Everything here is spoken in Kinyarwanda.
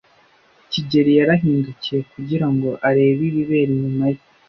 kigeli yarahindukiye kugira ngo arebe ibibera inyuma ye.